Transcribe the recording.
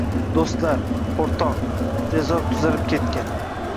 Do'stlar - O'rtoq, tezroq tuzalib ketgin!